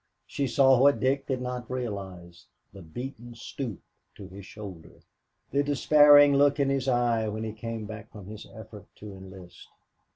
She saw what Dick did not realize, the beaten stoop to his shoulder, the despairing look in his eye when he came back from his effort to enlist.